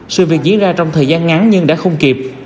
sự việc diễn ra trong thời gian ngắn nhưng đã không kịp